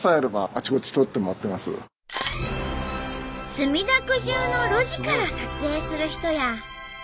墨田区じゅうの路地から撮影する人や。